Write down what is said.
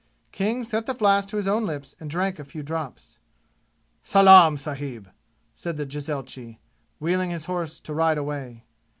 King set the flask to his own lips and drank a few drops. "Salaam, sahib!" said the jezaitchi, wheeling his horse to ride away.